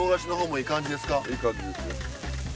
いい感じですよ。